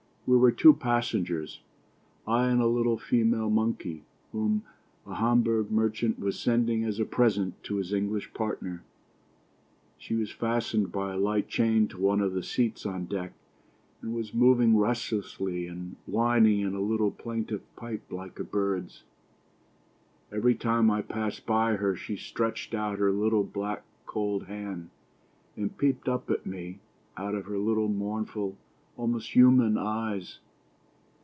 We were two passengers ; I and a little female monkey, whom a Hamburg merchant was sending as a present to his English partner. She was fastened by a light chain to one of the seats on deck, and was moving restlessly and whining in a little plaintive pipe like a bird's. Every time I passed by her she stretched out her little, black, cold hand, and peeped up at me out of her little mournful, almost human eyes.